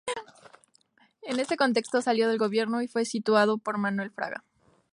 En este contexto salió del gobierno y fue sustituido por Manuel Fraga.